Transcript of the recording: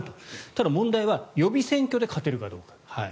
ただ問題は予備選挙で勝てるかどうか。